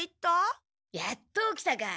やっと起きたか。